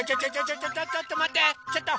ちょっとまってちょっと！